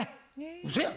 うそやん。